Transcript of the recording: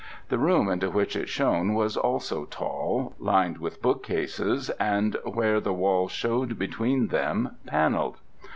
The room into which it shone was also tall, lined with book cases, and, where the wall showed between them, panelled.